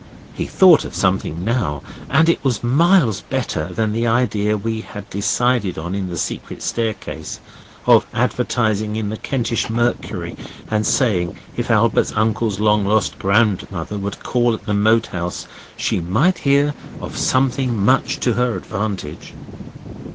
He thought of something now, and it was miles better than the idea we had decided on in the secret staircase, of advertising in the Kentish Mercury and saying if Albert's uncle's long lost grandmother would call at the Moat House she might hear of something much to her advantage.